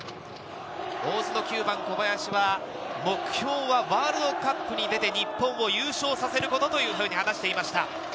大津の９番・小林は目標はワールドカップに出て、日本を優勝させることと話していました。